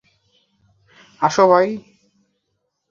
আসো, ভাই।